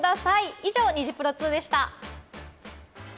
以上、ニジプロ２でした。